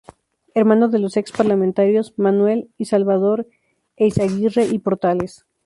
Hermano de los ex parlamentarios Manuel y Salvador Eyzaguirre y Portales.